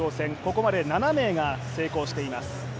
ここまで７名が成功しています。